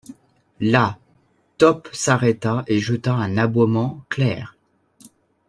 Là, Top s’arrêta et jeta un aboiement clair